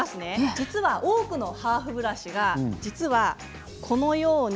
実は、多くのハーフブラシがこのように。